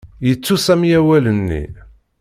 Yettu Sami awal-nni.